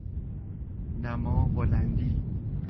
نما بلندی